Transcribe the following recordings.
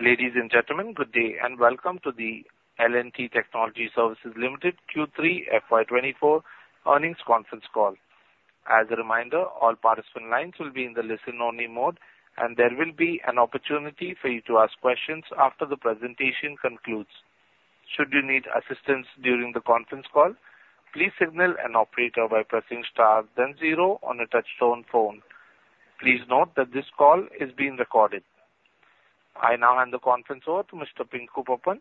Ladies and gentlemen, good day, and welcome to the L&T Technology Services Limited Q3 FY 2024 earnings conference call. As a reminder, all participant lines will be in the listen-only mode, and there will be an opportunity for you to ask questions after the presentation concludes. Should you need assistance during the conference call, please signal an operator by pressing star then zero on a touchtone phone. Please note that this call is being recorded. I now hand the conference over to Mr. Pinku Pappan,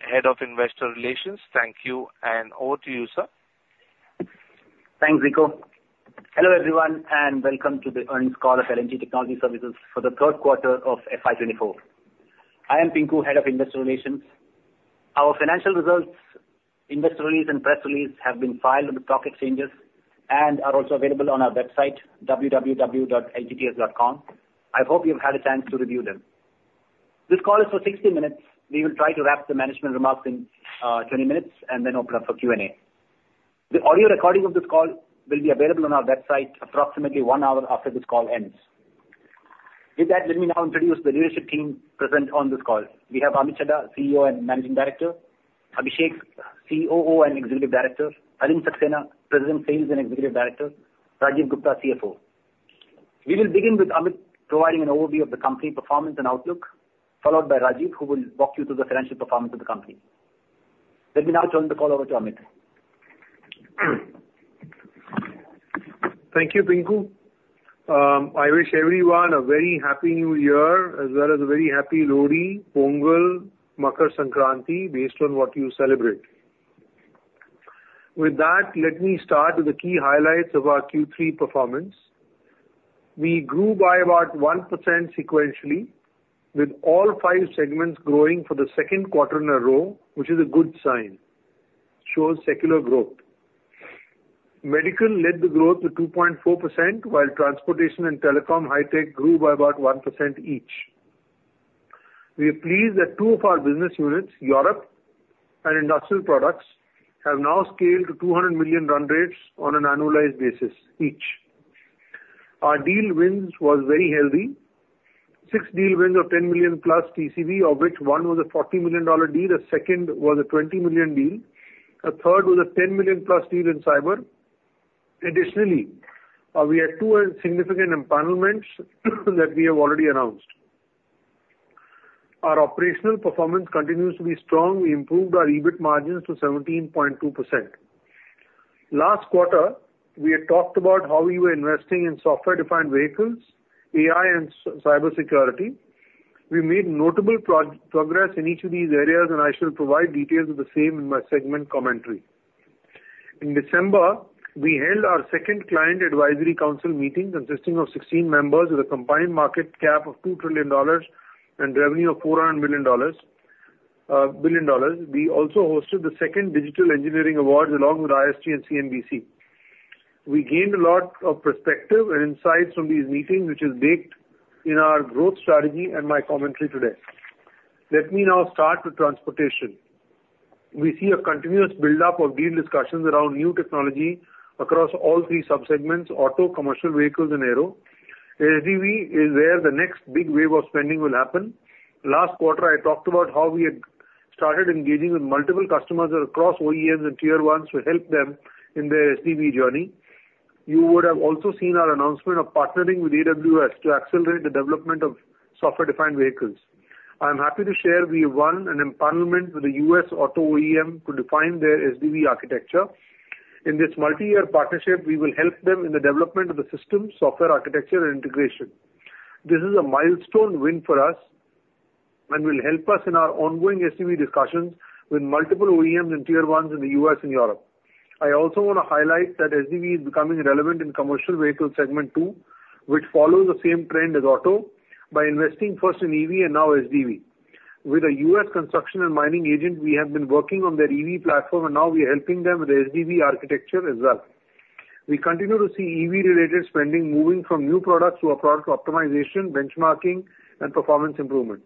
Head of Investor Relations. Thank you, and over to you, sir. Thanks, Rico. Hello, everyone, and welcome to the earnings call of L&T Technology Services for the third quarter of FY 2024. I am Pinku, Head of Investor Relations. Our financial results, investor release, and press release have been filed with the stock exchanges and are also available on our website, www.ltts.com. I hope you've had a chance to review them. This call is for 60 minutes. We will try to wrap the management remarks in 20 minutes and then open up for Q&A. The audio recording of this call will be available on our website approximately 1 hour after this call ends. With that, let me now introduce the leadership team present on this call. We have Amit Chadha, CEO and Managing Director; Abhishek, COO and Executive Director; Alind Saxena, President, Sales and Executive Director; Rajeev Gupta, CFO. We will begin with Amit providing an overview of the company performance and outlook, followed by Rajeev, who will walk you through the financial performance of the company. Let me now turn the call over to Amit. Thank you, Pinku. I wish everyone a very happy new year, as well as a very happy Lohri, Pongal, Makar Sankranti, based on what you celebrate. With that, let me start with the key highlights of our Q3 performance. We grew by about 1% sequentially, with all five segments growing for the second quarter in a row, which is a good sign, shows secular growth. Medical led the growth to 2.4%, while transportation and telecom high-tech grew by about 1% each. We are pleased that two of our business units, Europe and Industrial Products, have now scaled to $200 million run rates on an annualized basis each. Our deal wins was very healthy. Six deal wins of $10 million+ TCV, of which one was a $40 million deal, the second was a $20 million deal, a third was a $10 million+ deal in cyber. Additionally, we had two significant empowerments that we have already announced. Our operational performance continues to be strong. We improved our EBIT margins to 17.2%. Last quarter, we had talked about how we were investing in software-defined vehicles, AI, and cybersecurity. We made notable progress in each of these areas, and I shall provide details of the same in my segment commentary. In December, we held our second Client Advisory Council meeting, consisting of 16 members with a combined market cap of $2 trillion and revenue of $400 billion. We also hosted the second Digital Engineering Awards along with ISG and CNBC. We gained a lot of perspective and insights from these meetings, which is baked in our growth strategy and my commentary today. Let me now start with transportation. We see a continuous buildup of deal discussions around new technology across all three subsegments: auto, commercial vehicles, and aero. SDV is where the next big wave of spending will happen. Last quarter, I talked about how we had started engaging with multiple customers across OEMs and Tier 1s to help them in their SDV journey. You would have also seen our announcement of partnering with AWS to accelerate the development of software-defined vehicles. I'm happy to share we won an engagement with a U.S. auto OEM to define their SDV architecture. In this multi-year partnership, we will help them in the development of the system, software architecture, and integration. This is a milestone win for us and will help us in our ongoing SDV discussions with multiple OEMs and Tier 1s in the U.S. and Europe. I also wanna highlight that SDV is becoming relevant in commercial vehicle segment, too, which follows the same trend as auto by investing first in EV and now SDV. With a U.S. construction and mining agent, we have been working on their EV platform, and now we are helping them with their SDV architecture as well. We continue to see EV-related spending moving from new products to a product optimization, benchmarking, and performance improvement.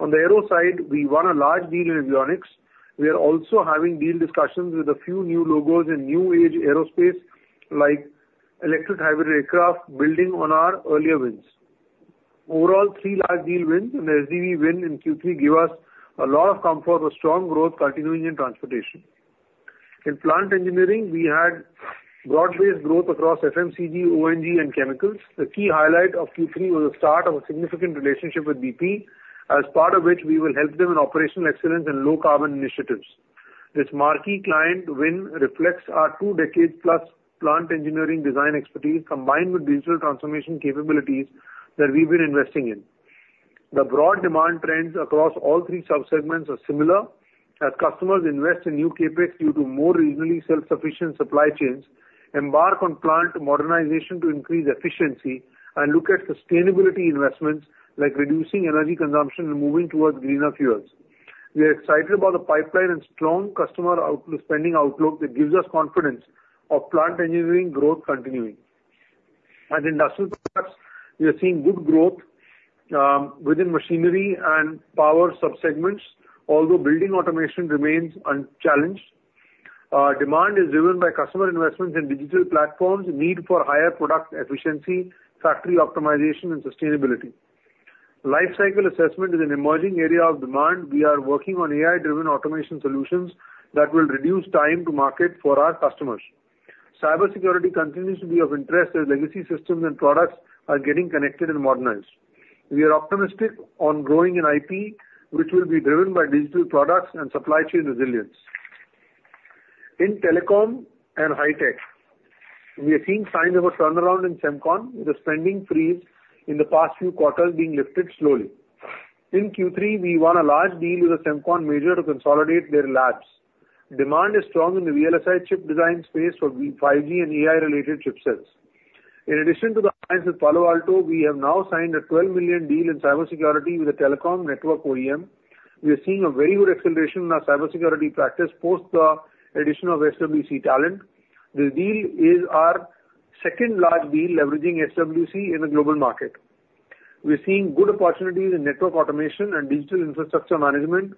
On the aero side, we won a large deal in avionics. We are also having deal discussions with a few new logos in new-age aerospace, like electric hybrid aircraft, building on our earlier wins. Overall, three large deal wins and an SDV win in Q3 give us a lot of comfort with strong growth continuing in transportation. In plant engineering, we had broad-based growth across FMCG, O&G, and chemicals. The key highlight of Q3 was the start of a significant relationship with BP, as part of which we will help them in operational excellence and low-carbon initiatives. This marquee client win reflects our two-decade-plus plant engineering design expertise, combined with digital transformation capabilities that we've been investing in. The broad demand trends across all three subsegments are similar, as customers invest in new CapEx due to more regionally self-sufficient supply chains, embark on plant modernization to increase efficiency, and look at sustainability investments, like reducing energy consumption and moving towards greener fuels. We are excited about the pipeline and strong customer spending outlook that gives us confidence of plant engineering growth continuing. At Industrial Products, we are seeing good growth within machinery and power subsegments, although building automation remains unchallenged. Our demand is driven by customer investments in digital platforms, need for higher product efficiency, factory optimization, and sustainability. Life Cycle Assessment is an emerging area of demand. We are working on AI-driven automation solutions that will reduce time to market for our customers. Cybersecurity continues to be of interest, as legacy systems and products are getting connected and modernized. We are optimistic on growing in IT, which will be driven by digital products and supply chain resilience. In telecom and high-tech, we are seeing signs of a turnaround in Semicon, with the spending freeze in the past few quarters being lifted slowly. In Q3, we won a large deal with a Semicon major to consolidate their labs. Demand is strong in the VLSI chip design space for 5G and AI-related chipsets. In addition to the clients in Palo Alto, we have now signed a $12 million deal in cybersecurity with a telecom network OEM. We are seeing a very good acceleration in our cybersecurity practice post the addition of SWC talent. This deal is our second large deal leveraging SWC in the global market. We are seeing good opportunities in network automation and digital infrastructure management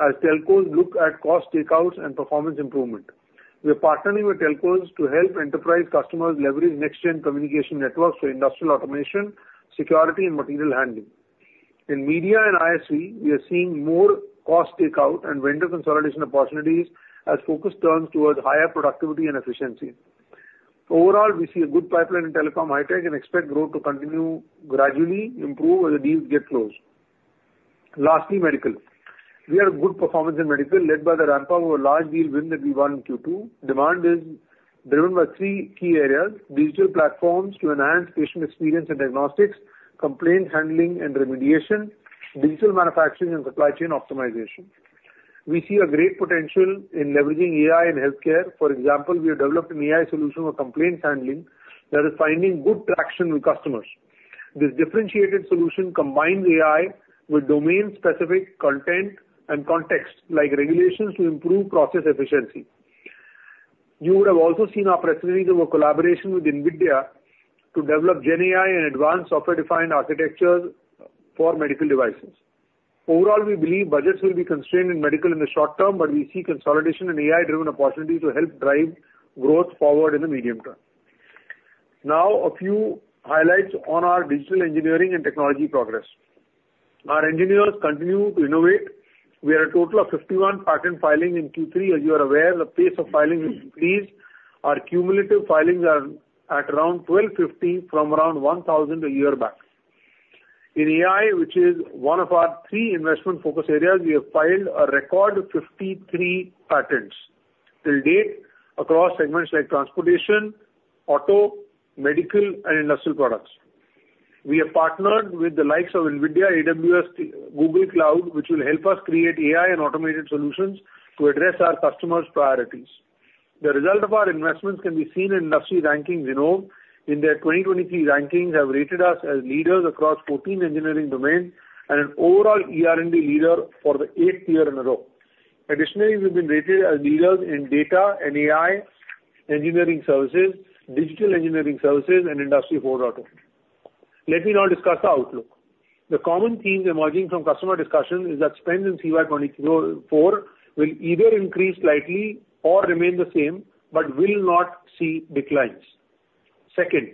as telcos look at cost takeouts and performance improvement. We are partnering with telcos to help enterprise customers leverage next-gen communication networks for industrial automation, security, and material handling. In media and ISV, we are seeing more cost takeout and vendor consolidation opportunities as focus turns towards higher productivity and efficiency. Overall, we see a good pipeline in telecom, high tech, and expect growth to continue gradually improve as the deals get closed. Lastly, medical. We had a good performance in medical, led by the ramp-up of a large deal win that we won in Q2. Demand is driven by three key areas: digital platforms to enhance patient experience and diagnostics, complaint handling and remediation, digital manufacturing and supply chain optimization. We see a great potential in leveraging AI in healthcare. For example, we have developed an AI solution for complaints handling that is finding good traction with customers. This differentiated solution combines AI with domain-specific content and context, like regulations to improve process efficiency. You would have also seen our press release of a collaboration with NVIDIA to develop GenAI and advanced software-defined architectures for medical devices. Overall, we believe budgets will be constrained in medical in the short term, but we see consolidation and AI-driven opportunities to help drive growth forward in the medium term. Now, a few highlights on our digital engineering and technology progress. Our engineers continue to innovate. We had a total of 51 patent filings in Q3. As you are aware, the pace of filings increased. Our cumulative filings are at around 1,250 from around 1,000 a year back. In AI, which is one of our three investment focus areas, we have filed a record of 53 patents till date across segments like transportation, auto, medical, and industrial products. We have partnered with the likes of NVIDIA, AWS, Google Cloud, which will help us create AI and automated solutions to address our customers' priorities. The result of our investments can be seen in industry rankings. You know, in their 2023 rankings have rated us as leaders across 14 engineering domains and an overall ER&D leader for the 8th year in a row. Additionally, we've been rated as leaders in data and AI, engineering services, digital engineering services, and Industry 4.0. Let me now discuss the outlook. The common themes emerging from customer discussions is that spend in FY 2024 will either increase slightly or remain the same, but will not see declines. Second,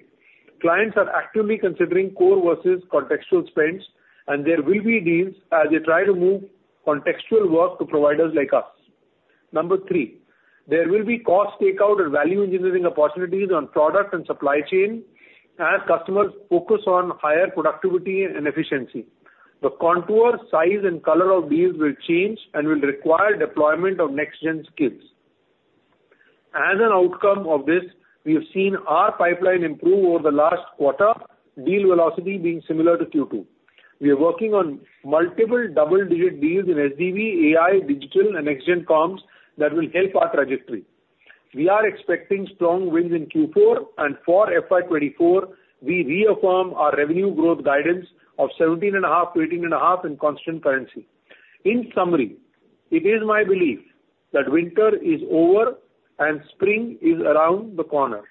clients are actively considering core versus contextual spends, and there will be deals as they try to move contextual work to providers like us. Number three, there will be cost takeout and value engineering opportunities on product and supply chain as customers focus on higher productivity and efficiency. The contour, size, and color of deals will change and will require deployment of next-gen skills. As an outcome of this, we have seen our pipeline improve over the last quarter, deal velocity being similar to Q2. We are working on multiple double-digit deals in SDV, AI, digital, and next-gen comms that will help our trajectory. We are expecting strong wins in Q4, and for FY 2024, we reaffirm our revenue growth guidance of 17.5%-18.5% in constant currency. In summary, it is my belief that winter is over and spring is around the corner.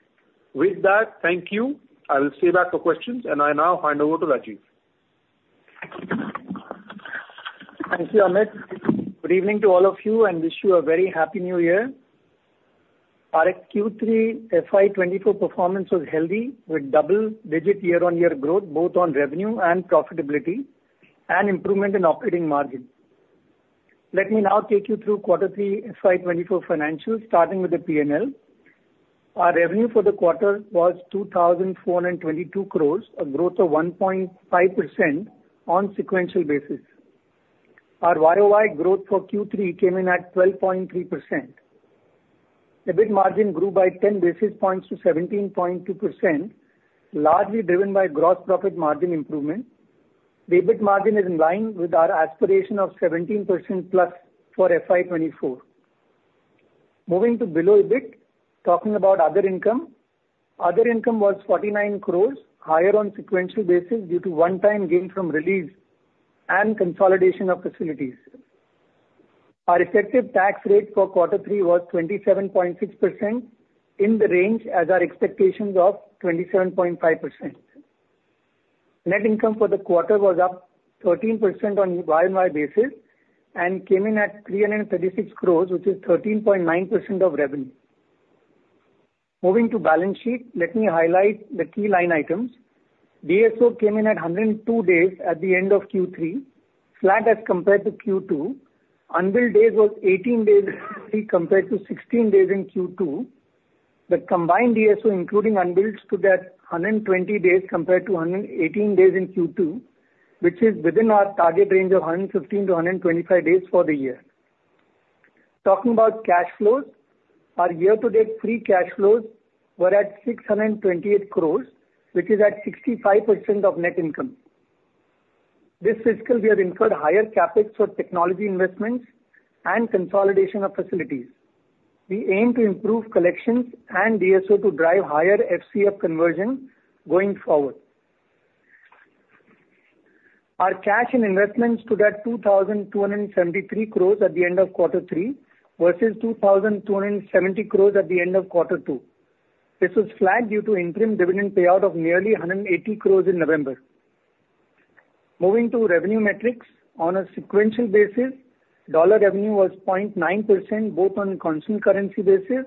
With that, thank you. I will stay back for questions, and I now hand over to Rajeev. Thank you, Amit. Good evening to all of you, and wish you a very happy new year. Our Q3 FY 2024 performance was healthy, with double-digit year-on-year growth, both on revenue and profitability and improvement in operating margin. Let me now take you through quarter three FY 2024 financials, starting with the P&L. Our revenue for the quarter was 2,422 crores, a growth of 1.5% on sequential basis. Our YOY growth for Q3 came in at 12.3%. EBIT margin grew by 10 basis points to 17.2%, largely driven by gross profit margin improvement. The EBIT margin is in line with our aspiration of 17%+ for FY 2024. Moving to below EBIT, talking about other income. Other income was 49 crores, higher on sequential basis due to one-time gain from release and consolidation of facilities. Our effective tax rate for quarter three was 27.6%, in the range as our expectations of 27.5%.... Net income for the quarter was up 13% on Y-o-Y basis and came in at 336 crore, which is 13.9% of revenue. Moving to balance sheet, let me highlight the key line items. DSO came in at 102 days at the end of Q3, flat as compared to Q2. Unbilled days was 18 days compared to 16 days in Q2. The combined DSO, including unbilled, stood at 120 days compared to 118 days in Q2, which is within our target range of 115-125 days for the year. Talking about cash flows, our year-to-date free cash flows were at 628 crore, which is at 65% of net income. This fiscal year incurred higher CapEx for technology investments and consolidation of facilities. We aim to improve collections and DSO to drive higher FCF conversion going forward. Our cash and investments stood at 2,273 crore at the end of Quarter 3, versus 2,270 crore at the end of Quarter 2. This was flat due to interim dividend payout of nearly 180 crore in November. Moving to revenue metrics. On a sequential basis, dollar revenue was 0.9%, both on constant currency basis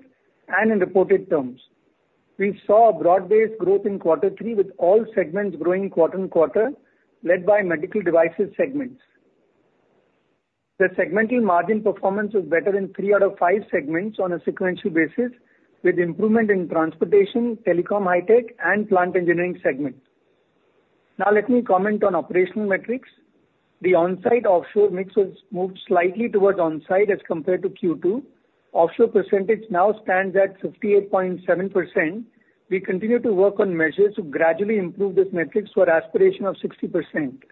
and in reported terms. We saw a broad-based growth in Quarter 3, with all segments growing quarter-on-quarter, led by medical devices segments. The segmental margin performance was better in three out of five segments on a sequential basis, with improvement in transportation, telecom, high tech and plant engineering segment. Now let me comment on operational metrics. The onsite-offshore mix was moved slightly towards onsite as compared to Q2. Offshore percentage now stands at 58.7%. We continue to work on measures to gradually improve this matrix to our aspiration of 60%.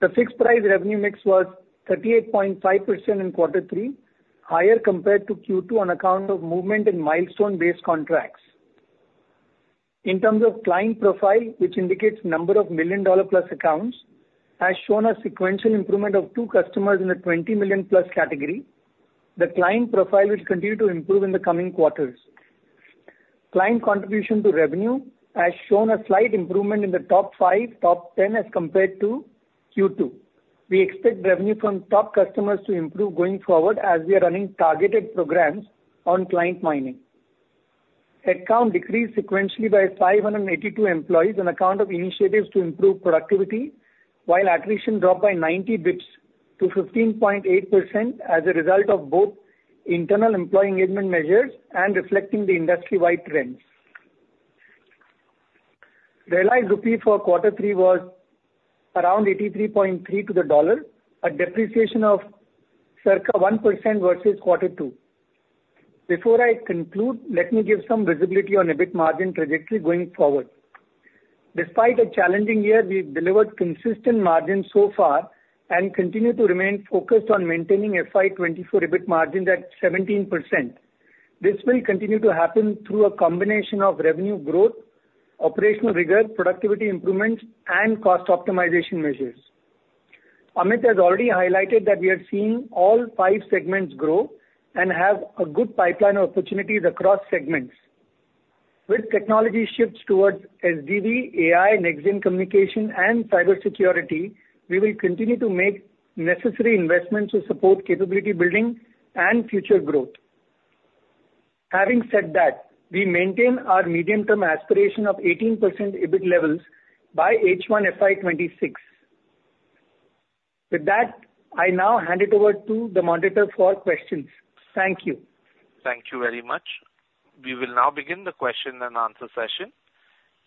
The fixed price revenue mix was 38.5% in Quarter three, higher compared to Q2 on account of movement in milestone-based contracts. In terms of client profile, which indicates number of million-dollar plus accounts, has shown a sequential improvement of two customers in the 20 million-plus category. The client profile will continue to improve in the coming quarters. Client contribution to revenue has shown a slight improvement in the top 5, top 10 as compared to Q2. We expect revenue from top customers to improve going forward as we are running targeted programs on client mining. Headcount decreased sequentially by 582 employees on account of initiatives to improve productivity, while attrition dropped by 90 basis points to 15.8% as a result of both internal employee engagement measures and reflecting the industry-wide trends. Realized rupee for Q3 was around 83.3 to the dollar, a depreciation of circa 1% versus Q2. Before I conclude, let me give some visibility on EBIT margin trajectory going forward. Despite a challenging year, we've delivered consistent margins so far and continue to remain focused on maintaining FY 2024 EBIT margin at 17%. This will continue to happen through a combination of revenue growth, operational rigor, productivity improvements, and cost optimization measures. Amit has already highlighted that we are seeing all five segments grow and have a good pipeline of opportunities across segments. With technology shifts towards SDV, AI, next-gen communication and cybersecurity, we will continue to make necessary investments to support capability building and future growth. Having said that, we maintain our medium-term aspiration of 18% EBIT levels by H1 FY 2026. With that, I now hand it over to the moderator for questions. Thank you. Thank you very much. We will now begin the question-and-answer session.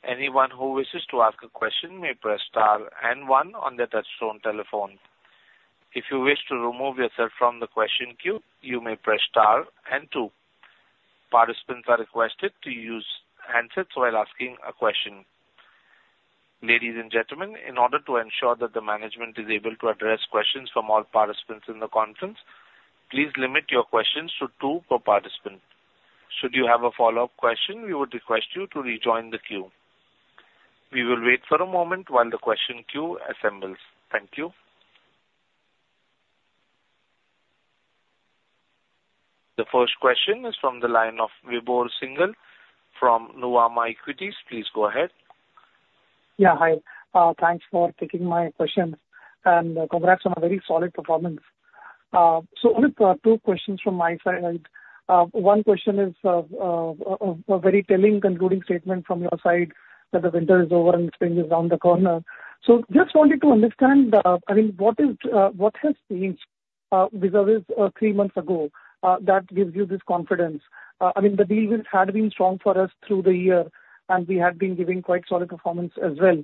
Anyone who wishes to ask a question may press star and one on their touchtone telephone. If you wish to remove yourself from the question queue, you may press star and two. Participants are requested to use handsets while asking a question. Ladies and gentlemen, in order to ensure that the management is able to address questions from all participants in the conference, please limit your questions to two per participant. Should you have a follow-up question, we would request you to rejoin the queue. We will wait for a moment while the question queue assembles. Thank you. The first question is from the line of Vibhor Singhal from Nuvama Equities. Please go ahead. Yeah, hi. Thanks for taking my question, and congrats on a very solid performance. So only two questions from my side. One question is a very telling concluding statement from your side, that the winter is over and spring is around the corner. So just wanted to understand, I mean, what is what has changed vis-à-vis three months ago that gives you this confidence? I mean, the deal wins had been strong for us through the year, and we had been giving quite solid performance as well.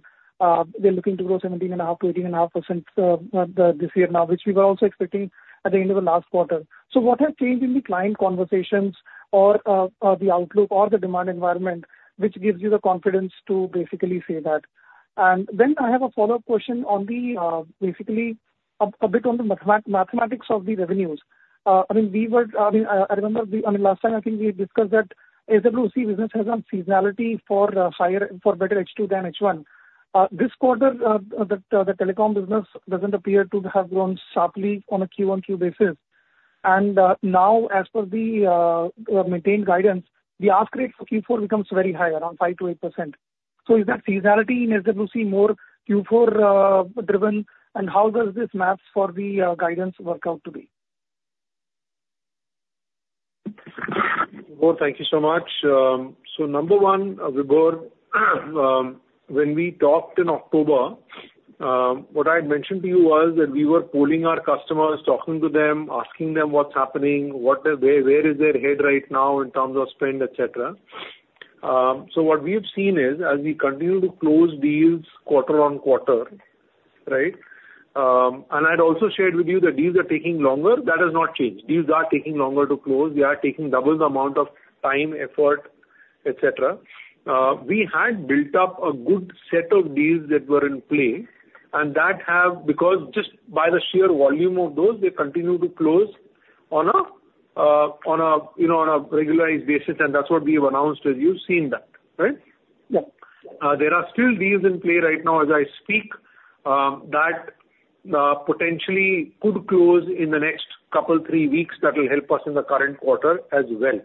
We're looking to grow 17.5%-18.5% this year now, which we were also expecting at the end of the last quarter. So what has changed in the client conversations or, the outlook or the demand environment, which gives you the confidence to basically say that? And then I have a follow-up question on the, basically a bit on the mathematics of the revenues. I mean, I remember the... I mean, last time I think we discussed that AWS business has some seasonality for better H2 than H1. This quarter, the telecom business doesn't appear to have grown sharply on a Q-o-Q basis. And now as per the maintained guidance, the ask rate for Q4 becomes very high, around 5%-8%. So is that seasonality in SWC more Q4 driven? And how does this maths for the guidance work out to be? Well, thank you so much. So number one, Vibhor, when we talked in October, what I had mentioned to you was that we were polling our customers, talking to them, asking them what's happening, where is their head right now in terms of spend, et cetera. So what we have seen is, as we continue to close deals quarter-on-quarter, right, and I'd also shared with you that deals are taking longer. That has not changed. Deals are taking longer to close. We are taking double the amount of time, effort, et cetera. We had built up a good set of deals that were in play, and that have—because just by the sheer volume of those, they continue to close on a, you know, on a regularized basis, and that's what we have announced, and you've seen that, right? Yeah. There are still deals in play right now as I speak that potentially could close in the next 2-3 weeks that will help us in the current quarter as well,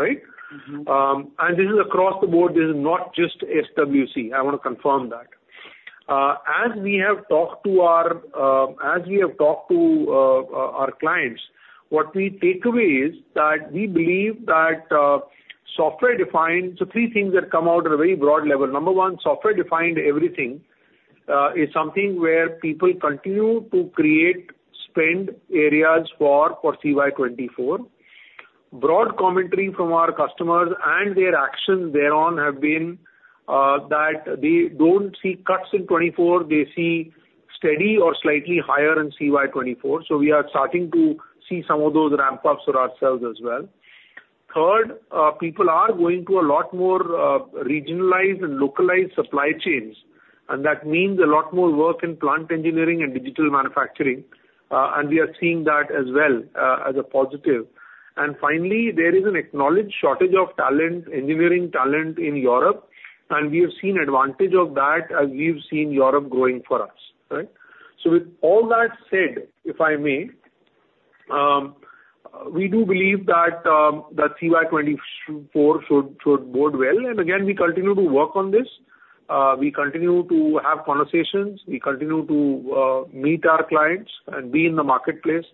right? Mm-hmm. And this is across the board, this is not just SWC. I want to confirm that. As we have talked to our clients, what we take away is that we believe that software-defined... So three things that come out at a very broad level. Number one, software-defined everything is something where people continue to create spend areas for CY 2024. Broad commentary from our customers and their action thereon have been that they don't see cuts in 2024, they see steady or slightly higher in CY 2024. So we are starting to see some of those ramp-ups for ourselves as well. Third, people are going to a lot more, regionalized and localized supply chains, and that means a lot more work in plant engineering and digital manufacturing, and we are seeing that as well, as a positive. And finally, there is an acknowledged shortage of talent, engineering talent in Europe, and we have seen advantage of that as we've seen Europe growing for us, right? So with all that said, if I may, we do believe that, the CY 2024 should bode well. And again, we continue to work on this. We continue to have conversations. We continue to meet our clients and be in the marketplace.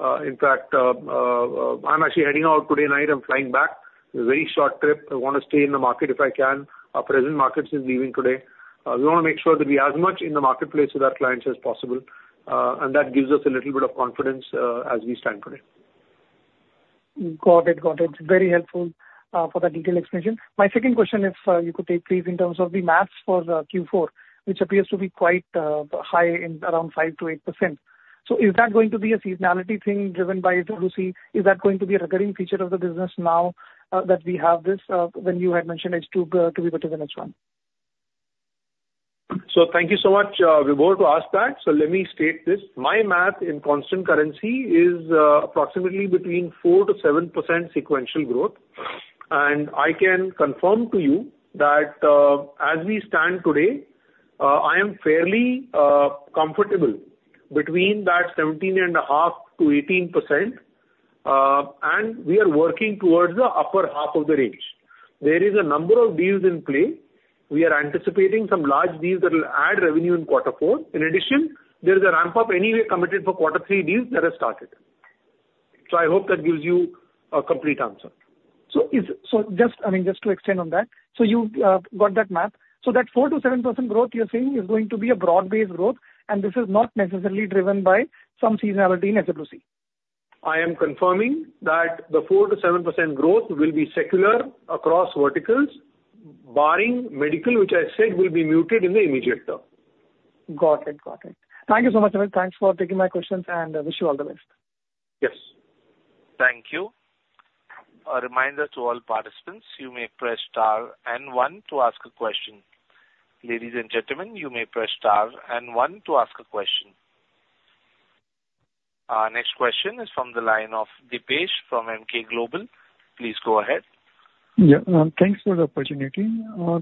In fact, I'm actually heading out today night. I'm flying back. It's a very short trip. I want to stay in the market if I can. Our presence in markets is leading today. We want to make sure that we are as much in the marketplace with our clients as possible, and that gives us a little bit of confidence, as we stand today. Got it. Got it. Very helpful for the detailed explanation. My second question is, you could take, please, in terms of the math for the Q4, which appears to be quite high in around 5%-8%. So is that going to be a seasonality thing driven by SWC? Is that going to be a recurring feature of the business now, that we have this, when you had mentioned it's to to be better than H1? So thank you so much, Vibhor, to ask that. So let me state this. My math in constant currency is approximately between 4%-7% sequential growth. And I can confirm to you that, as we stand today, I am fairly comfortable between that 17.5%-18%, and we are working towards the upper half of the range. There is a number of deals in play. We are anticipating some large deals that will add revenue in quarter four. In addition, there is a ramp-up anyway committed for quarter three deals that have started. So I hope that gives you a complete answer. So just, I mean, just to extend on that, so you got that math. So that 4%-7% growth you're saying is going to be a broad-based growth, and this is not necessarily driven by some seasonality in SWC? I am confirming that the 4%-7% growth will be secular across verticals, barring medical, which I said will be muted in the immediate term. Got it. Got it. Thank you so much, Amit. Thanks for taking my questions, and I wish you all the best. Yes. Thank you. A reminder to all participants, you may press star and one to ask a question. Ladies and gentlemen, you may press star and one to ask a question. Our next question is from the line of Dipesh from EmKay Global. Please go ahead. Yeah, thanks for the opportunity.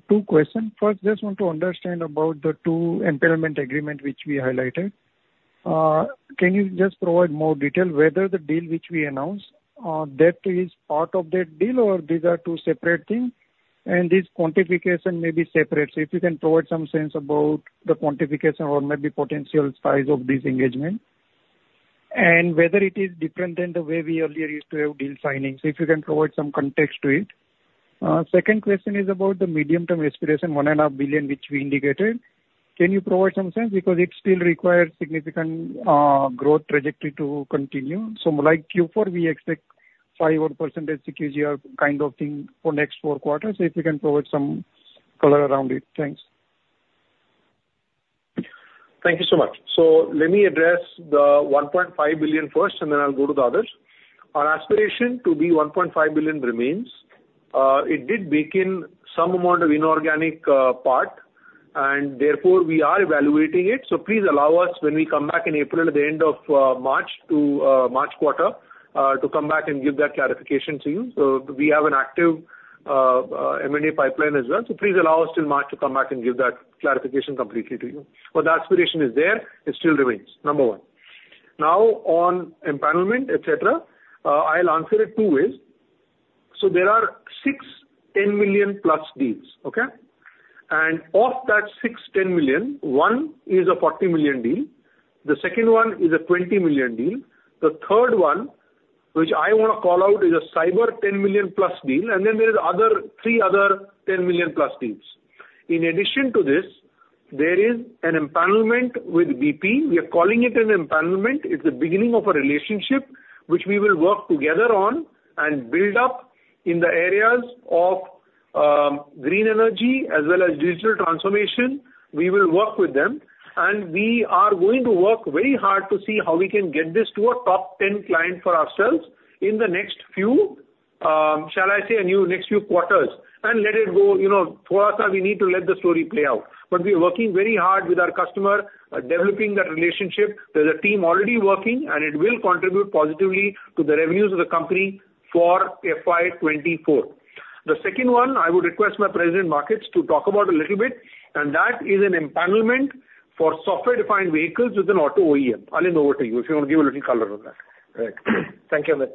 2 questions. First, just want to understand about the two impairment agreement which we highlighted. Can you just provide more detail whether the deal which we announced, that is part of that deal or these are two separate things? And this quantification may be separate. So if you can provide some sense about the quantification or maybe potential size of this engagement, and whether it is different than the way we earlier used to have deal signings. If you can provide some context to it. Second question is about the medium-term aspiration, $1.5 billion, which we indicated. Can you provide some sense? Because it still requires significant growth trajectory to continue. So like Q4, we expect 5%-odd QGR kind of thing for next four quarters, if you can provide some color around it. Thanks. Thank you so much. So let me address the $1.5 billion first, and then I'll go to the others. Our aspiration to be $1.5 billion remains. It did bake in some amount of inorganic part, and therefore we are evaluating it. So please allow us, when we come back in April, at the end of March to March quarter to come back and give that clarification to you. So we have an active M&A pipeline as well. So please allow us till March to come back and give that clarification completely to you. But the aspiration is there, it still remains, number one. Now on empanelment, et cetera, I'll answer it two ways. So there are 6, 10 million-plus deals, okay? Of that $60 million, one is a $40 million deal, the second one is a $20 million deal. The third one, which I want to call out, is a cyber $10 million+ deal, and then there are other three other $10 million+ deals. In addition to this, there is an empanelment with BP. We are calling it an empanelment. It's the beginning of a relationship which we will work together on and build up in the areas of green energy as well as digital transformation. We will work with them, and we are going to work very hard to see how we can get this to a top ten client for ourselves in the next few, shall I say, a new next few quarters, and let it go. You know, for us, we need to let the story play out. But we are working very hard with our customer, developing that relationship. There's a team already working, and it will contribute positively to the revenues of the company for FY 2024. The second one, I would request my President, Markets, to talk about a little bit, and that is an empanelment for software-defined vehicles with an auto OEM. Alind, over to you, if you want to give a little color on that. Right. Thank you, Amit.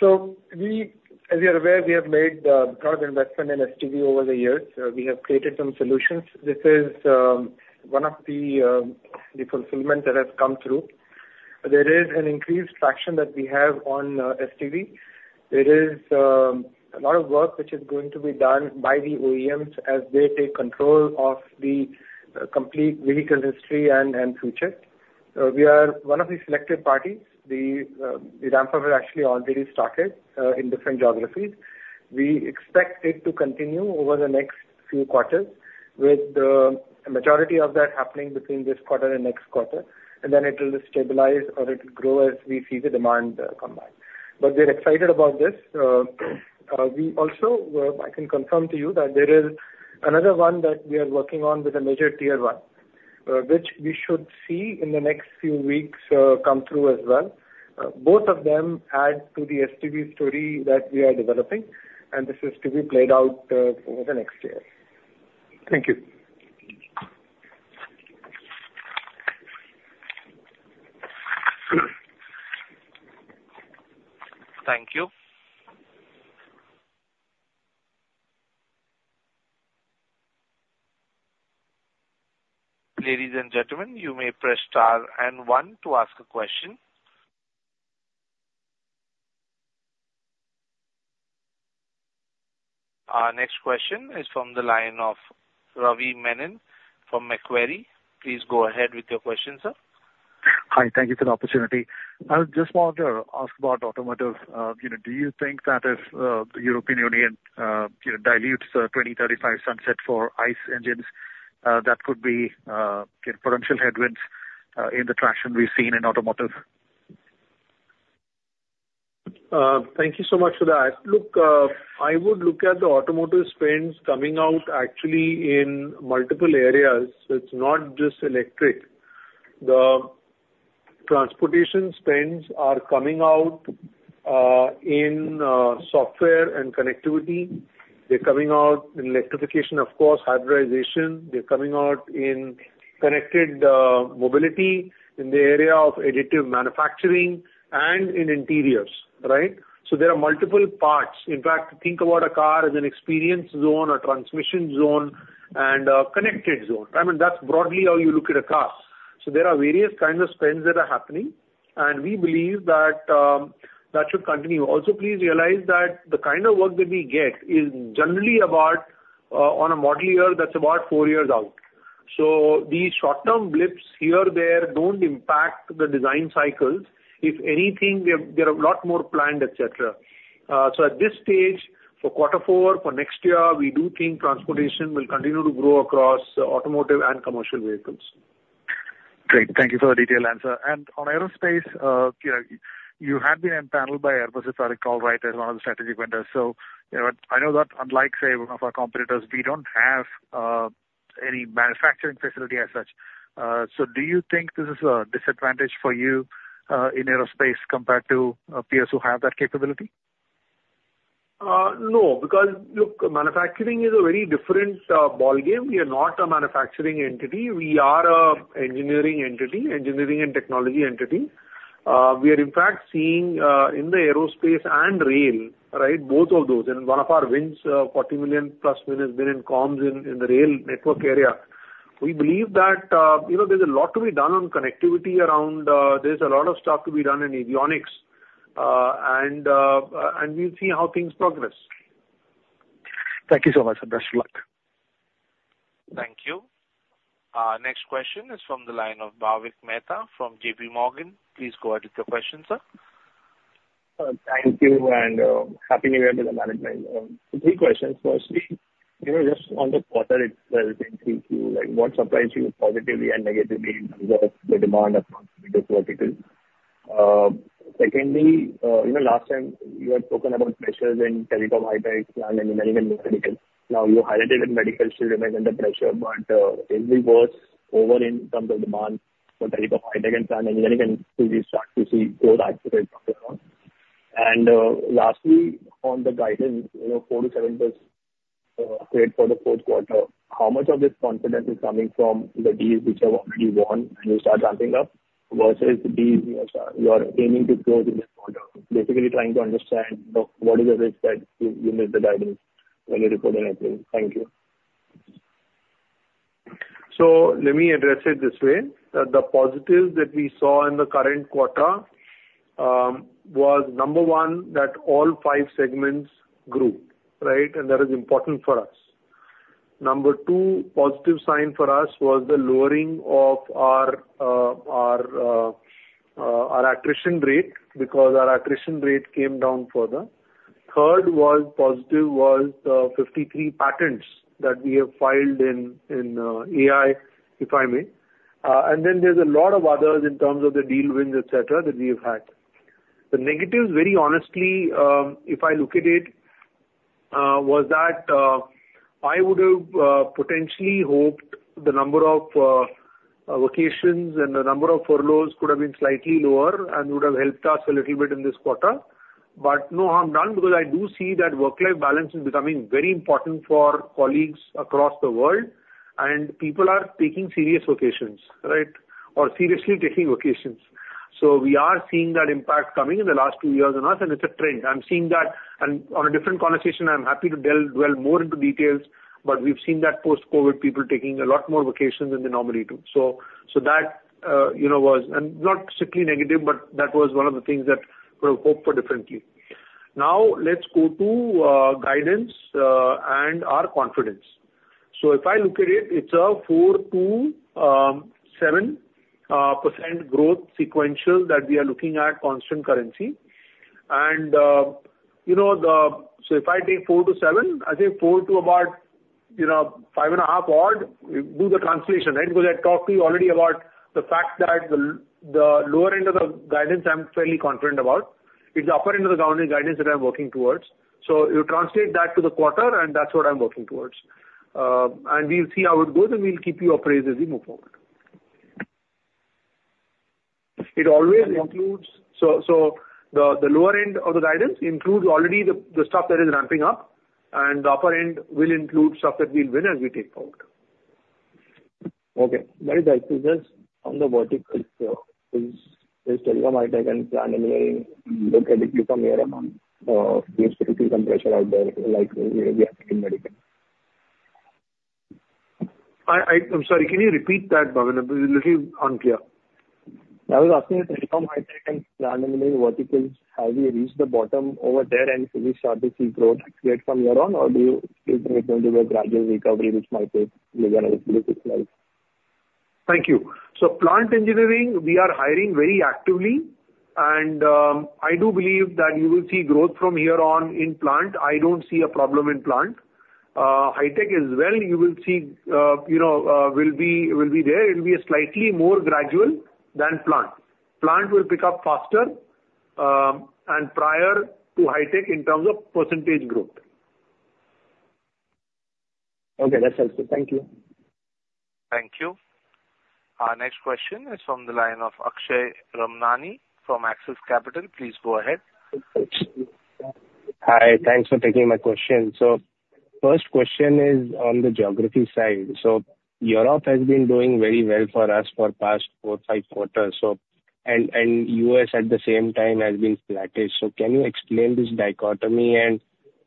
So we, as you're aware, we have made a broad investment in SDV over the years. We have created some solutions. This is one of the fulfillments that has come through. There is an increased traction that we have on SDV. There is a lot of work which is going to be done by the OEMs as they take control of the complete vehicle history and future. We are one of the selected parties. The ramp up has actually already started in different geographies. We expect it to continue over the next few quarters with a majority of that happening between this quarter and next quarter, and then it will stabilize or it will grow as we see the demand come back. But we're excited about this. We also, well, I can confirm to you that there is another one that we are working on with a major Tier 1, which we should see in the next few weeks, come through as well. Both of them add to the SDV story that we are developing, and this is to be played out over the next year. Thank you. Thank you. Ladies and gentlemen, you may press star and one to ask a question. Our next question is from the line of Ravi Menon from Macquarie. Please go ahead with your question, sir. Hi, thank you for the opportunity. I just wanted to ask about automotive. You know, do you think that if the European Union you know, dilutes the 2035 sunset for ICE engines, that could be potential headwinds in the traction we've seen in automotive? Thank you so much for that. Look, I would look at the automotive spends coming out actually in multiple areas. It's not just electric. The transportation spends are coming out in software and connectivity. They're coming out in electrification, of course, hybridization. They're coming out in connected mobility, in the area of additive manufacturing and in interiors, right? So there are multiple parts. In fact, think about a car as an experience zone, a transmission zone, and a connected zone. I mean, that's broadly how you look at a car. So there are various kinds of spends that are happening, and we believe that that should continue. Also, please realize that the kind of work that we get is generally about on a model year, that's about four years out. So these short-term blips here or there don't impact the design cycles. If anything, we have, there are a lot more planned, et cetera. So at this stage, for quarter four, for next year, we do think transportation will continue to grow across automotive and commercial vehicles. Great. Thank you for the detailed answer. On aerospace, you know, you have been empaneled by Airbus, if I recall right, as one of the strategic vendors. You know, I know that unlike, say, one of our competitors, we don't have any manufacturing facility as such. Do you think this is a disadvantage for you in aerospace compared to peers who have that capability? No, because, look, manufacturing is a very different ballgame. We are not a manufacturing entity. We are a engineering entity, engineering and technology entity. We are in fact, seeing, in the aerospace and rail, right, both of those, and one of our wins, $40 million-plus win has been in comms in, in the rail network area. We believe that, you know, there's a lot to be done on connectivity around, there's a lot of stuff to be done in avionics. And we'll see how things progress. Thank you so much, and best of luck. Thank you. Next question is from the line of Bhavik Mehta from J.P. Morgan. Please go ahead with your question, sir. Thank you, and happy New Year to the management. Three questions. Firstly, you know, just on the quarter itself in Q2, like, what surprised you positively and negatively in terms of the demand across the various verticals? Secondly, you know, last time you had spoken about pressures in telecom, high-tech and then even medical. Now, you highlighted that medical still remains under pressure, but it will be worse over in terms of demand for telecom, high-tech and then even do we start to see more activity from there on? Lastly, on the guidance, you know, 4%-7% trade for the fourth quarter, how much of this confidence is coming from the deals which have already won and you start ramping up, versus deals you are aiming to close in this quarter? Basically, trying to understand what is the risk that you, you miss the guidance when you report in April. Thank you. So let me address it this way. The positives that we saw in the current quarter was number one that all five segments grew, right? And that is important for us. Number two positive sign for us was the lowering of our our our attrition rate, because our attrition rate came down further. Third was positive was 53 patents that we have filed in in AI, if I may. And then there's a lot of others in terms of the deal wins, et cetera, that we have had. The negatives, very honestly, if I look at it was that I would have potentially hoped the number of vacations and the number of furloughs could have been slightly lower and would have helped us a little bit in this quarter. But no harm done, because I do see that work-life balance is becoming very important for colleagues across the world, and people are taking serious vacations, right? Or seriously taking vacations. So we are seeing that impact coming in the last two years on us, and it's a trend. I'm seeing that, and on a different conversation, I'm happy to dwell more into details, but we've seen that post-COVID, people taking a lot more vacations than they normally do. So, so that, you know, was not strictly negative, but that was one of the things that would have hoped for differently. Now, let's go to guidance and our confidence. So if I look at it, it's a 4%-7% growth sequential that we are looking at constant currency. So if I take 4-7, I think four to about, you know, 5.5 odd, do the translation, right? Because I talked to you already about the fact that the lower end of the guidance I'm fairly confident about. It's the upper end of the guidance, guidance that I'm working towards. So you translate that to the quarter, and that's what I'm working towards. We'll see how it goes, and we'll keep you appraised as we move forward. It always includes the lower end of the guidance includes already the stuff that is ramping up, and the upper end will include stuff that we'll win and we take forward. Okay, very nice. So just on the vertical, is telecom, high tech, and plant engineering. Look at it from here on, we see some pressure out there, like we have in medical. I'm sorry, can you repeat that, Bhavik? It was a little unclear. I was asking if telecom, high tech, and plant engineering verticals have you reached the bottom over there and will we start to see growth from here on, or do you still think it will be a gradual recovery, which might take, you know, six months? Thank you. So plant engineering, we are hiring very actively, and I do believe that you will see growth from here on in plant. I don't see a problem in plant. High tech as well, you will see, you know, will be, will be there. It'll be a slightly more gradual than plant. Plant will pick up faster, and prior to high tech in terms of percentage growth. Okay, that's helpful. Thank you. Thank you. Our next question is from the line of Akshay Ramnani from Axis Capital. Please go ahead. Hi. Thanks for taking my question. So first question is on the geography side. So Europe has been doing very well for us for past four, five quarters, so... And US at the same time has been flattish. So can you explain this dichotomy and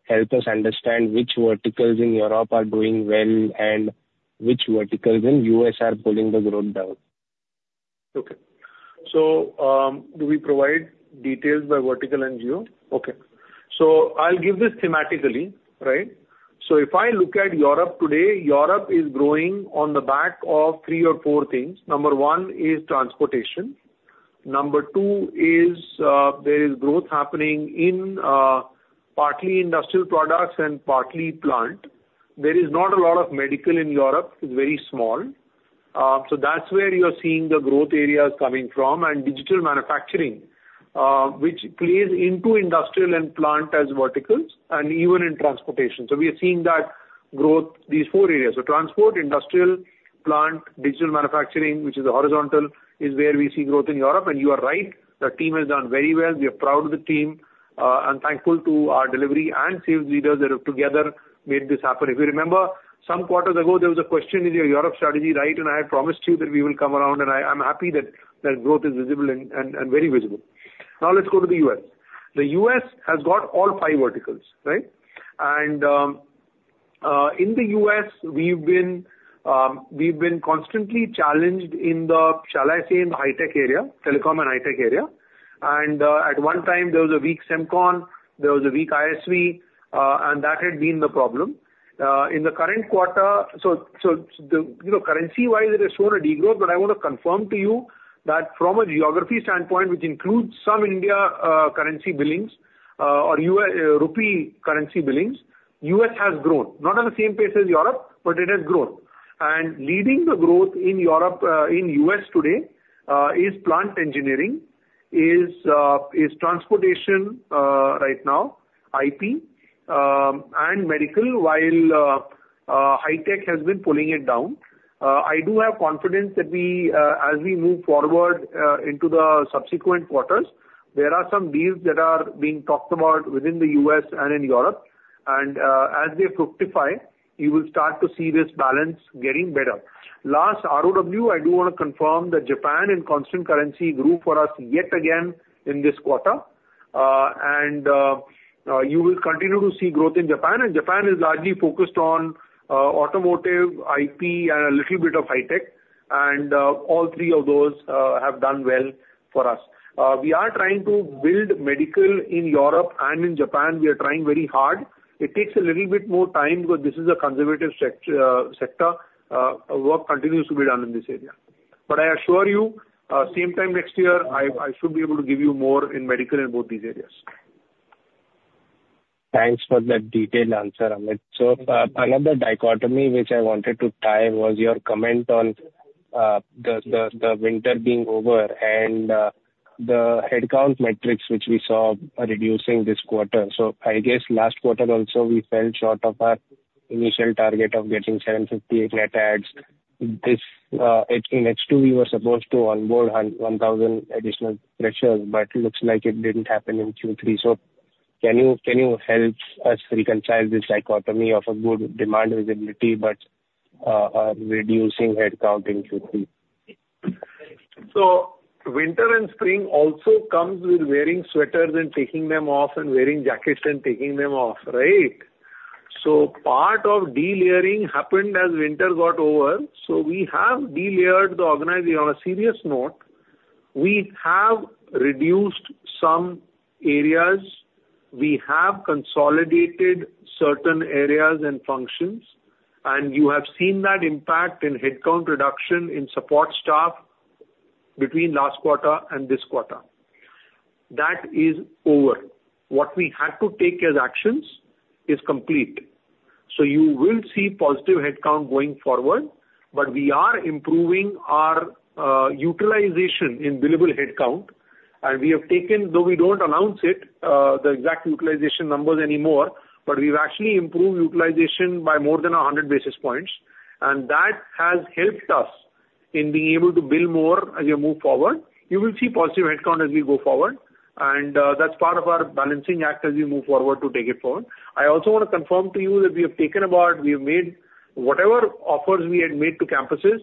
help us understand which verticals in Europe are doing well, and which verticals in US are pulling the growth down? Okay. So, do we provide details by vertical and geo? Okay. So I'll give this thematically, right? So if I look at Europe today, Europe is growing on the back of three or four things. Number one is transportation. Number two is, there is growth happening in, partly industrial products and partly plant. There is not a lot of medical in Europe. It's very small. So that's where you're seeing the growth areas coming from, and digital manufacturing, which plays into industrial and plant as verticals and even in transportation. So we are seeing that growth, these four areas. So transport, industrial, plant, digital manufacturing, which is horizontal, is where we see growth in Europe. And you are right, the team has done very well. We are proud of the team, and thankful to our delivery and sales leaders that have together made this happen. If you remember, some quarters ago, there was a question with your Europe strategy, right? I promised you that we will come around, and I'm happy that that growth is visible and very visible. Now let's go to the U.S. The U.S. has got all five verticals, right? In the U.S., we've been constantly challenged in the, shall I say, in the high tech area, telecom and high tech area. At one time, there was a weak Semicon, there was a weak ISV, and that had been the problem. In the current quarter... So, you know, currency-wise, it has shown a degrowth, but I want to confirm to you that from a geography standpoint, which includes some India, currency billings, or rupee currency billings, U.S. has grown. Not at the same pace as Europe, but it has grown. Leading the growth in Europe, in U.S. today, is plant engineering, is transportation, right now, IP, and medical, while high-tech has been pulling it down. I do have confidence that we, as we move forward, into the subsequent quarters, there are some deals that are being talked about within the U.S. and in Europe, and, as they fructify, you will start to see this balance getting better. Last, ROW, I do want to confirm that Japan in constant currency grew for us yet again in this quarter. You will continue to see growth in Japan, and Japan is largely focused on automotive, IP, and a little bit of high tech, and all three of those have done well for us. We are trying to build medical in Europe and in Japan. We are trying very hard. It takes a little bit more time because this is a conservative sector. Work continues to be done in this area. But I assure you, same time next year, I should be able to give you more in medical in both these areas. Thanks for that detailed answer, Amit. So, another dichotomy which I wanted to tie was your comment on the winter being over and the headcount metrics, which we saw reducing this quarter. So I guess last quarter also, we fell short of our initial target of getting 758 net adds. This, in H2, we were supposed to onboard one thousand additional resources, but looks like it didn't happen in Q3. So can you help us reconcile this dichotomy of a good demand visibility but a reducing headcount in Q3? So winter and spring also comes with wearing sweaters and taking them off, and wearing jackets and taking them off, right? So part of delayering happened as winter got over, so we have delayered the. On a serious note, we have reduced some areas, we have consolidated certain areas and functions, and you have seen that impact in headcount reduction in support staff between last quarter and this quarter. That is over. What we had to take as actions is complete. So you will see positive headcount going forward, but we are improving our utilization in billable headcount, and we have taken, though we don't announce it, the exact utilization numbers anymore, but we've actually improved utilization by more than a hundred basis points, and that has helped us in being able to bill more as we move forward. You will see positive headcount as we go forward, and that's part of our balancing act as we move forward to take it forward. I also want to confirm to you that we have taken about, we have made whatever offers we had made to campuses,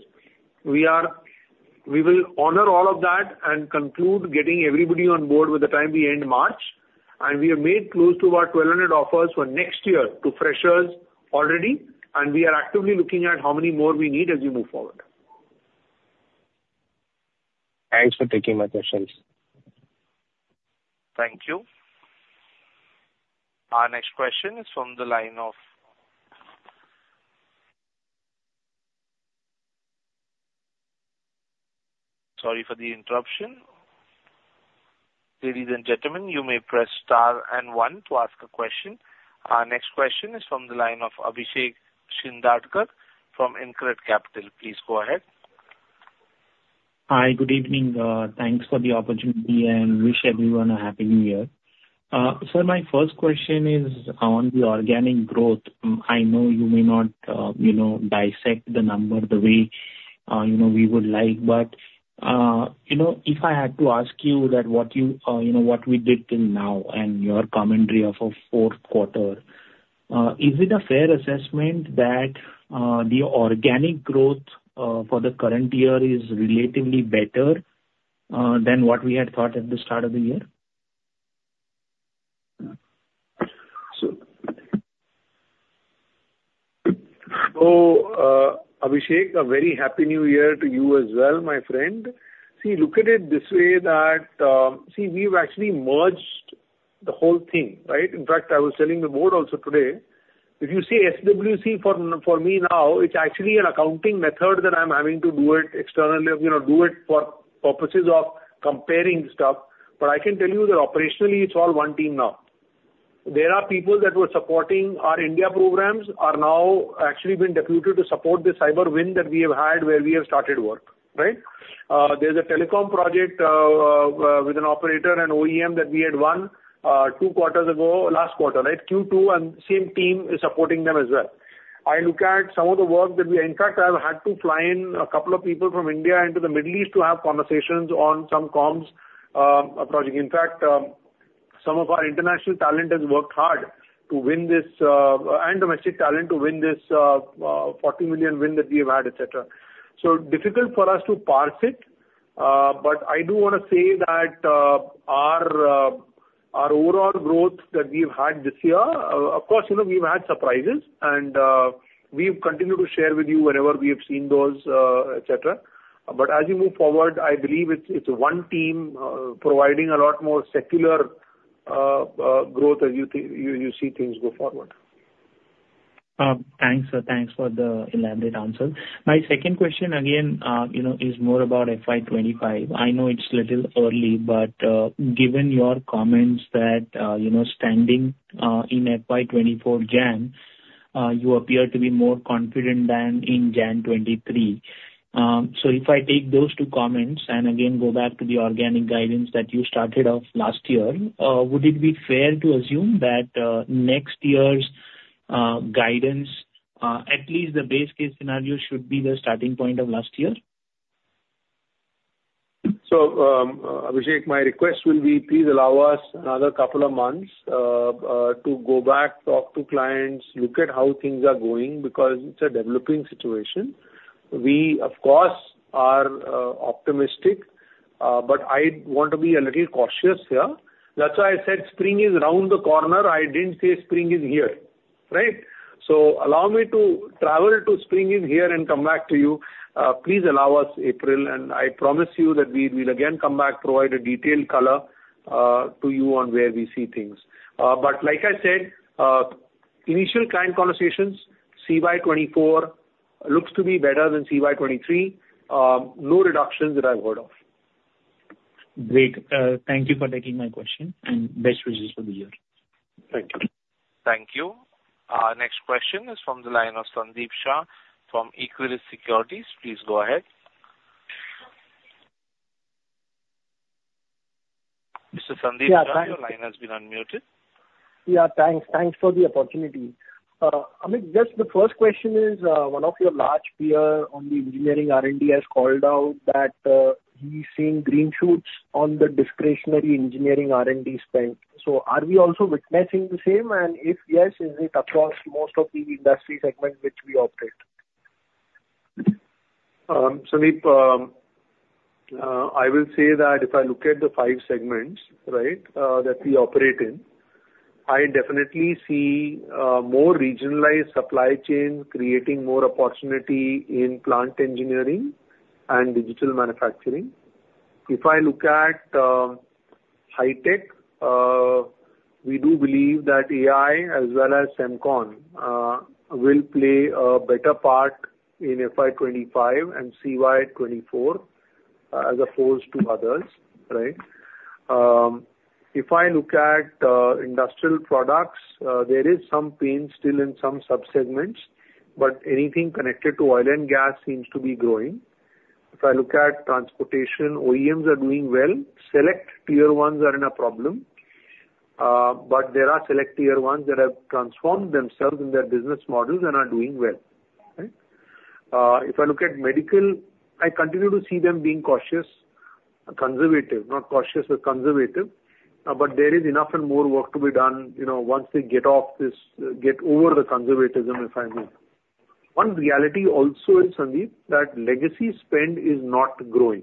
we will honor all of that and conclude getting everybody on board with the time we end March. We have made close to about 1,200 offers for next year to freshers already, and we are actively looking at how many more we need as we move forward. Thanks for taking my questions. Thank you. Our next question is from the line of... Sorry for the interruption. Ladies and gentlemen, you may press star and one to ask a question. Our next question is from the line of Abhishek Shindadkar from InCred Capital. Please go ahead. Hi. Good evening. Thanks for the opportunity, and wish everyone a happy New Year. So my first question is on the organic growth. I know you may not, you know, dissect the number the way, you know, we would like. But, you know, if I had to ask you that, what you, you know, what we did till now and your commentary of a fourth quarter, is it a fair assessment that, the organic growth, for the current year is relatively better, than what we had thought at the start of the year? So, Abhishek, a very happy New Year to you as well, my friend. See, look at it this way, that, see, we've actually merged the whole thing, right? In fact, I was telling the board also today, if you say SWC for me now, it's actually an accounting method that I'm having to do it externally, you know, do it for purposes of comparing stuff. But I can tell you that operationally, it's all one team now. There are people that were supporting our India programs are now actually been deputed to support the cyber win that we have had, where we have started work, right? There's a telecom project, with an operator and OEM that we had won, two quarters ago, last quarter, right, Q2, and same team is supporting them as well. I look at some of the work that we... In fact, I have had to fly in a couple of people from India into the Middle East to have conversations on some comms approaching. In fact, some of our international talent has worked hard to win this, and domestic talent to win this, $40 million win that we have had, et cetera. So difficult for us to parse it, but I do want to say that, our overall growth that we've had this year, of course, you know, we've had surprises, and, we've continued to share with you whenever we have seen those, et cetera. But as you move forward, I believe it's one team providing a lot more secular growth as you see things go forward. Thanks, sir. Thanks for the elaborate answer. My second question again, you know, is more about FY 25. I know it's a little early, but, given your comments that, you know, standing in FY 2024 January, you appear to be more confident than in January 2023. So if I take those two comments and again go back to the organic guidance that you started off last year, would it be fair to assume that, next year's guidance, at least the base case scenario, should be the starting point of last year? So, Abhishek, my request will be, please allow us another couple of months, to go back, talk to clients, look at how things are going, because it's a developing situation. We, of course, are, optimistic, but I want to be a little cautious here. That's why I said spring is around the corner. I didn't say spring is here, right? So allow me to travel to spring is here and come back to you. Please allow us April, and I promise you that we will again come back, provide a detailed color, to you on where we see things. But like I said, initial client conversations, CY 2024 looks to be better than CY 2023. No reductions that I've heard of. Great. Thank you for taking my question, and best wishes for the year. Thank you. Thank you. Our next question is from the line of Sandeep Shah from Equirus Securities. Please go ahead. Mr. Sandeep Shah- Yeah, thank- Your line has been unmuted. Yeah, thanks. Thanks for the opportunity. Amit, just the first question is, one of your large peer on the engineering R&D has called out that, he's seeing green shoots on the discretionary engineering R&D spend. So are we also witnessing the same, and if yes, is it across most of the industry segments which we operate? Sandeep, I will say that if I look at the five segments, right, that we operate in, I definitely see more regionalized supply chain creating more opportunity in plant engineering and digital manufacturing. If I look at high tech, we do believe that AI as well as Semicon will play a better part in FY 2025 and CY 2024, as opposed to others, right? If I look at industrial products, there is some pain still in some subsegments, but anything connected to oil and gas seems to be growing. If I look at transportation, OEMs are doing well. Select tier ones are in a problem, but there are select tier ones that have transformed themselves in their business models and are doing well, right? If I look at medical, I continue to see them being cautious. Conservative, not cautious, but conservative, but there is enough and more work to be done, you know, once they get off this, get over the conservatism, if I may. One reality also is, Sandeep, that legacy spend is not growing,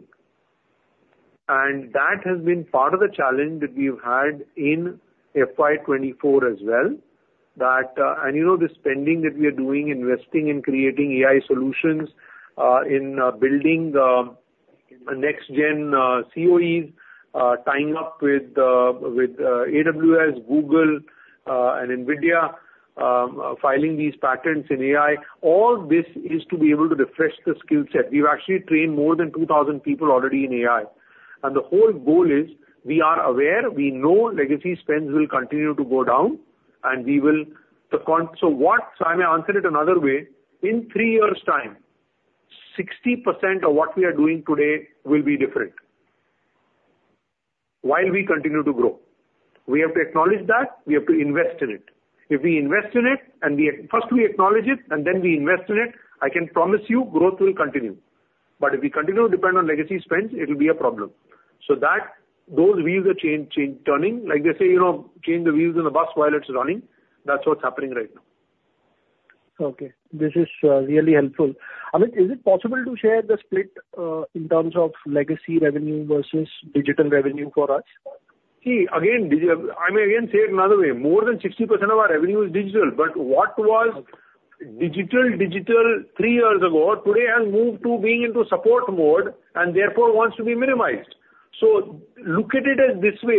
and that has been part of the challenge that we've had in FY 2024 as well. That. And, you know, the spending that we are doing, investing in creating AI solutions, in building next gen COEs, tying up with AWS, Google, and NVIDIA, filing these patents in AI, all this is to be able to refresh the skill set. We've actually trained more than 2,000 people already in AI, and the whole goal is we are aware, we know legacy spends will continue to go down, and we will. So what, so I may answer it another way, in three years' time, 60% of what we are doing today will be different while we continue to grow. We have to acknowledge that, we have to invest in it. If we invest in it, and we, first we acknowledge it, and then we invest in it, I can promise you growth will continue. But if we continue to depend on legacy spends, it will be a problem. So that, those wheels of change are turning. Like they say, you know, change the wheels on the bus while it's running. That's what's happening right now. Okay. This is really helpful. Amit, is it possible to share the split in terms of legacy revenue versus digital revenue for us? See, again, I may again say it another way. More than 60% of our revenue is digital, but what was- Okay. digital, digital three years ago, today has moved to being into support mode and therefore wants to be minimized. So look at it as this way.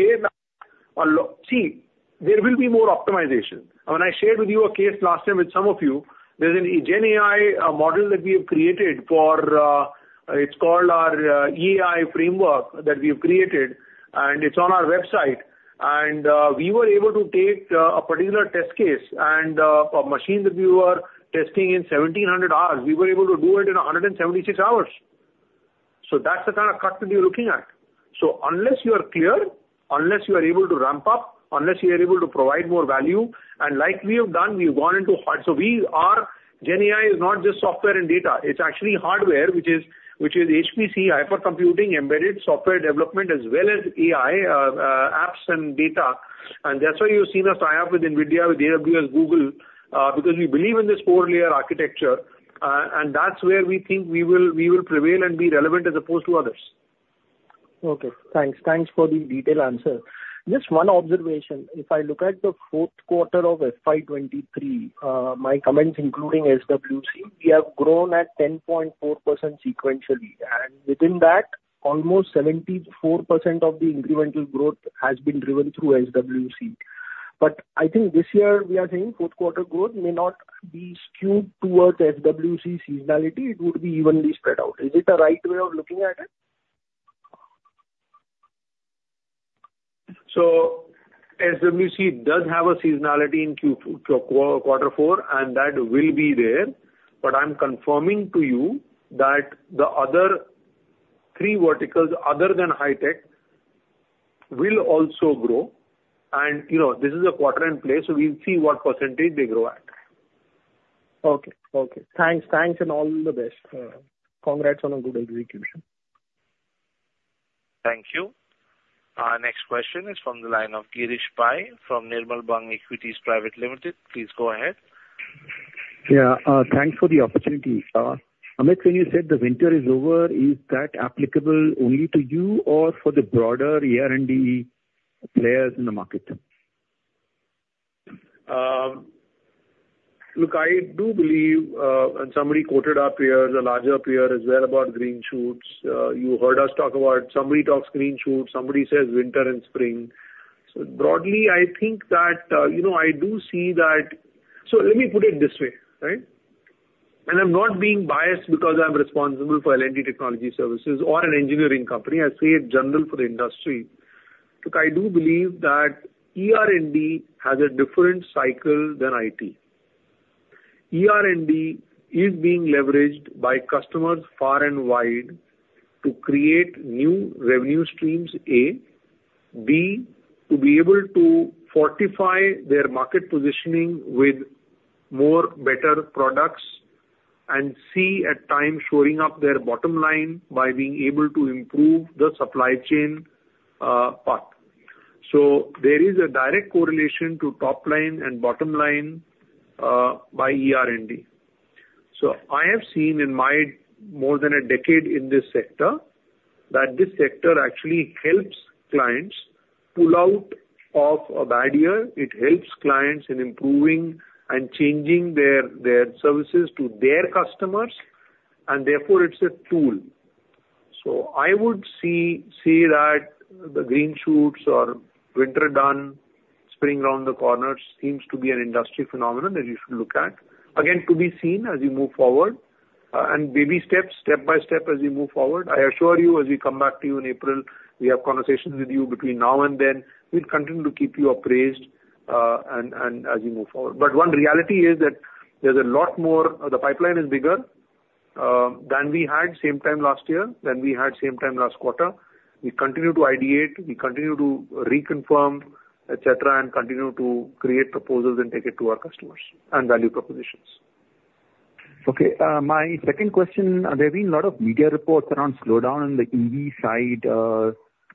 See, there will be more optimization. And when I shared with you a case last time with some of you, there's a GenAI model that we have created for, it's called our AI framework that we have created, and it's on our website. And we were able to take a particular test case and a machine that we were testing in 1700 hours, we were able to do it in 176 hours. So that's the kind of cut that we're looking at. So unless you are clear, unless you are able to ramp up, unless you are able to provide more value, and like we have done, we've gone into hard. So, GenAI is not just software and data, it's actually hardware, which is, which is HPC, high performance computing, embedded software development, as well as AI, apps and data. And that's why you've seen us tie up with NVIDIA, with AWS, Google, because we believe in this four-layer architecture, and that's where we think we will, we will prevail and be relevant as opposed to others. Okay, thanks. Thanks for the detailed answer. Just one observation. If I look at the fourth quarter of FY 2023, my comments, including SWC, we have grown at 10.4% sequentially, and within that, almost 74% of the incremental growth has been driven through SWC. But I think this year we are saying fourth quarter growth may not be skewed towards SWC seasonality. It would be evenly spread out. Is it the right way of looking at it? So SWC does have a seasonality in Q2, so quarter four, and that will be there. But I'm confirming to you that the other three verticals other than high tech will also grow. And, you know, this is a quarter in play, so we'll see what percentage they grow at. Okay. Okay. Thanks, thanks, and all the best. Congrats on a good execution. Thank you. Our next question is from the line of Girish Pai from Nirmal Bang Equities Private Limited. Please go ahead. Yeah, thanks for the opportunity. Amit, when you said the winter is over, is that applicable only to you or for the broader ER&D players in the market? Look, I do believe, and somebody quoted our peers, a larger peer as well, about green shoots. You heard us talk about somebody talks green shoots, somebody says winter and spring. So broadly, I think that, you know, I do see that. So let me put it this way, right? And I'm not being biased because I'm responsible for L&T Technology Services or an engineering company. I say it general for the industry. Look, I do believe that ER&D has a different cycle than IT. ER&D is being leveraged by customers far and wide to create new revenue streams, A. B, to be able to fortify their market positioning with more better products. And C, at times showing up their bottom line by being able to improve the supply chain, part. So there is a direct correlation to top line and bottom line by ER&D. So I have seen in my more than a decade in this sector, that this sector actually helps clients pull out of a bad year. It helps clients in improving and changing their, their services to their customers, and therefore, it's a tool. So I would see, see that the green shoots or winter done, spring around the corner, seems to be an industry phenomenon that you should look at. Again, to be seen as we move forward, and baby steps, step by step, as we move forward. I assure you, as we come back to you in April, we have conversations with you between now and then, we'll continue to keep you appraised, and, and as we move forward. But one reality is that there's a lot more... The pipeline is bigger than we had same time last year, than we had same time last quarter. We continue to ideate, we continue to reconfirm, et cetera, and continue to create proposals and take it to our customers, and value propositions. Okay. My second question, there have been a lot of media reports around slowdown on the EV side.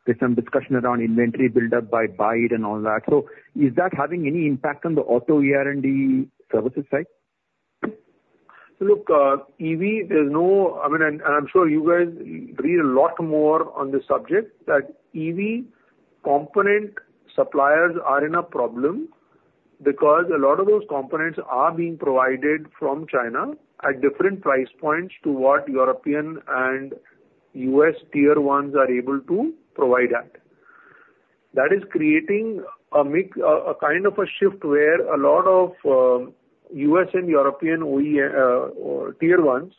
There's some discussion around inventory buildup by BYD and all that. So is that having any impact on the auto ER&D services side? Look, EV, there's no... I mean, and, and I'm sure you guys read a lot more on this subject, that EV component suppliers are in a problem because a lot of those components are being provided from China at different price points to what European and U.S. tier ones are able to provide at. That is creating a mix, a kind of a shift, where a lot of US and European OEM or tier ones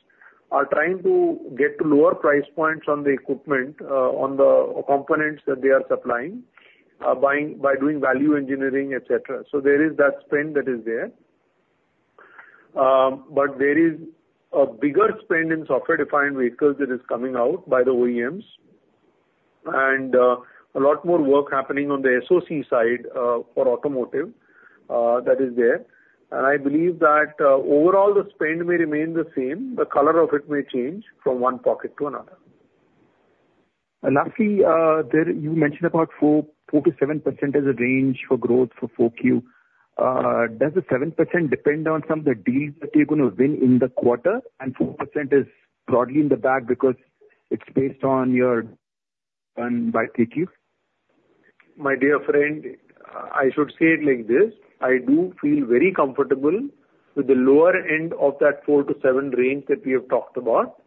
are trying to get to lower price points on the equipment, on the components that they are supplying, buying, by doing value engineering, et cetera. So there is that spend that is there. But there is a bigger spend in software-defined vehicles that is coming out by the OEMs, and a lot more work happening on the SoC side for automotive that is there. I believe that, overall, the spend may remain the same, the color of it may change from one pocket to another. Lastly, there you mentioned about 4%-7% as a range for growth for 4Q. Does the 7% depend on some of the deals that you're going to win in the quarter, and 4% is broadly in the bag because it's based on your done by Q3? My dear friend, I should say it like this: I do feel very comfortable with the lower end of that 4-7 range that we have talked about.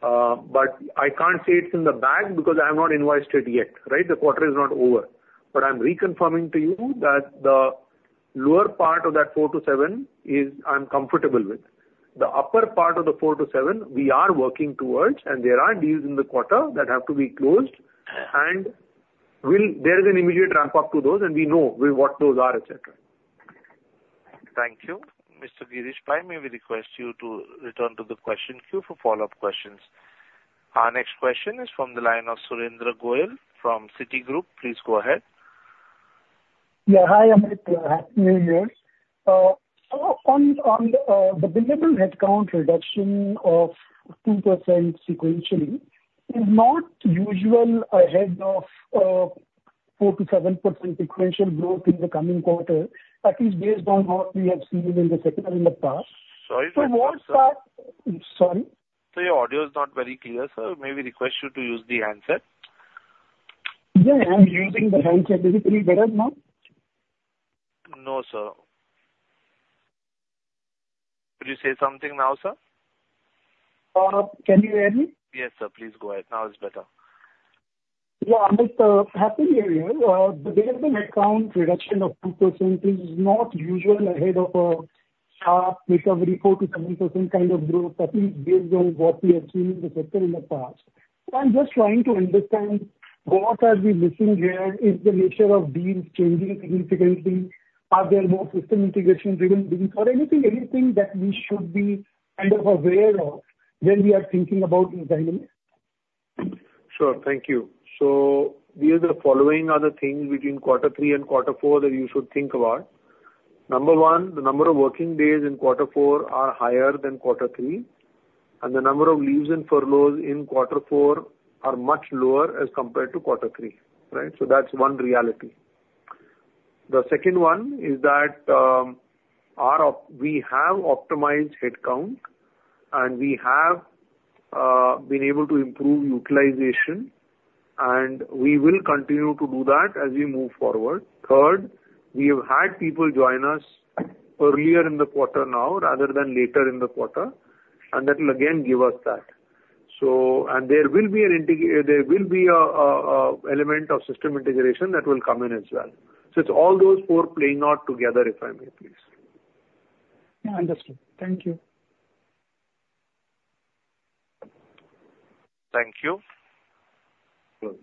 But I can't say it's in the bag because I'm not invoiced it yet, right? The quarter is not over. But I'm reconfirming to you that the lower part of that 4-7 is, I'm comfortable with. The upper part of the 4-7, we are working towards, and there are deals in the quarter that have to be closed, and we'll, there is an immediate ramp up to those, and we know what those are, et cetera. Thank you. Mr. Girish Pai, may we request you to return to the question queue for follow-up questions? Our next question is from the line of Surendra Goyal from Citigroup. Please go ahead. Yeah. Hi, Amit. Happy New Year. So on, on, the billable headcount reduction of 2% sequentially is not usual ahead of 4%-7% sequential growth in the coming quarter, at least based on what we have seen in the sector in the past. Sorry, sir. What are... Sorry? Sir, your audio is not very clear, sir. May we request you to use the handset? Yeah, I am using the handset. Is it any better now? No, sir. Did you say something now, sir? Can you hear me? Yes, sir. Please go ahead. Now, it's better. Yeah, Amit, Happy New Year. The billable headcount reduction of 2% is not usual ahead of sharp recovery, 4%-7% kind of growth, at least based on what we have seen in the quarter in the past. So I'm just trying to understand, what are we missing here? Is the nature of deals changing significantly? Are there more system integration-driven deals or anything, anything that we should be kind of aware of when we are thinking about? Sure. Thank you. So, the following are the things between quarter three and quarter four that you should think about. Number one, the number of working days in quarter four are higher than quarter three, and the number of leaves and furloughs in quarter four are much lower as compared to quarter three, right? So that's one reality. The second one is that we have optimized headcount, and we have been able to improve utilization, and we will continue to do that as we move forward. Third, we have had people join us earlier in the quarter now, rather than later in the quarter, and that will again give us that. And there will be an element of system integration that will come in as well. It's all those four playing out together, if I may please. Yeah, understood. Thank you. Thank you. Welcome.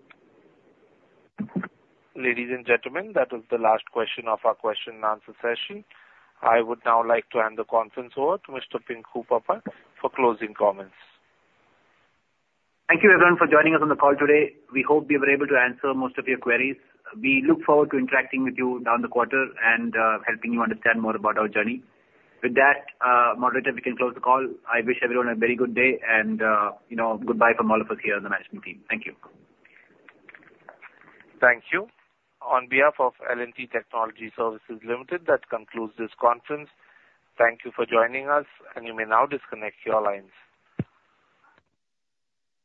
Ladies and gentlemen, that was the last question of our question and answer session. I would now like to hand the conference over to Mr. Pinku Pappan for closing comments. Thank you, everyone, for joining us on the call today. We hope we were able to answer most of your queries. We look forward to interacting with you down the quarter and helping you understand more about our journey. With that, moderator, we can close the call. I wish everyone a very good day and, you know, goodbye from all of us here on the management team. Thank you. Thank you. On behalf of L&T Technology Services Limited, that concludes this conference. Thank you for joining us, and you may now disconnect your lines.